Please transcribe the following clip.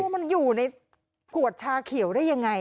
มันอยู่ในขวดชาเขียวได้ยังไง